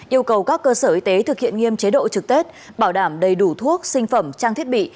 yêu cầu các cơ sở y tế thực hiện nghiêm chế độ trực tết bảo đảm đầy đủ thuốc sinh phẩm trang thiết bị